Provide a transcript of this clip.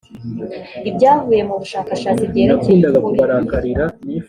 ibyavuye mu bushakashatsi byerekeye ukuri.